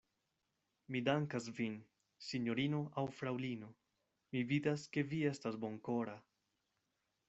Mi dankas vin, sinjorino aŭ fraŭlino; mi vidas, ke vi estas bonkora.